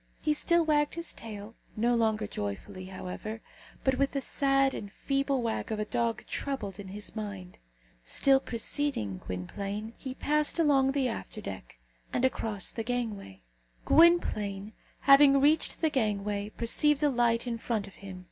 He still wagged his tail no longer joyfully, however, but with the sad and feeble wag of a dog troubled in his mind. Still preceding Gwynplaine, he passed along the after deck, and across the gangway. Gwynplaine, having reached the gangway, perceived a light in front of him.